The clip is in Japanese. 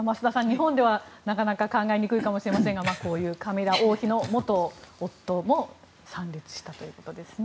日本では考えにくいかもしれませんがこういうカミラ王妃の元夫も参列したということですね。